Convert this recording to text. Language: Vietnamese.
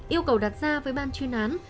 yêu cầu đặt ra với ban chuyên án